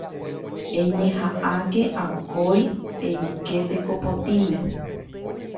Eñeha'ãke akói eiko teko potĩme